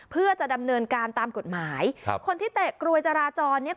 เพื่อจะดำเนินการตามกฎหมายครับคนที่เตะกรวยจราจรเนี้ย